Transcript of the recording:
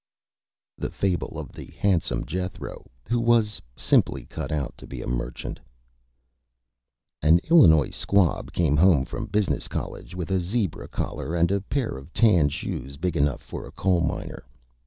_ THE FABLE OF HANDSOME JETHRO, WHO WAS SIMPLY CUT OUT TO BE A MERCHANT An Illinois Squab came home from Business College with a Zebra Collar and a pair of Tan Shoes big enough for a Coal Miner.